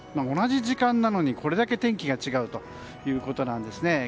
同じ時間なのに、これだけ天気が違うということなんですね。